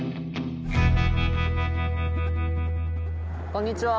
こんにちは。